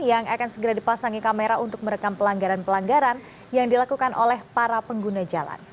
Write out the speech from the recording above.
yang akan segera dipasangi kamera untuk merekam pelanggaran pelanggaran yang dilakukan oleh para pengguna jalan